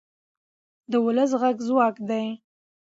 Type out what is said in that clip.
د ولس غږ ځواک دی